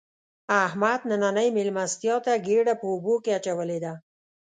احمد نننۍ مېلمستیا ته ګېډه په اوبو کې اچولې ده.